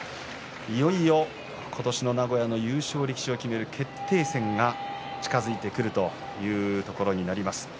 いよいよ今年の名古屋の優勝力士を決める決定戦が近づいてくるというところになります。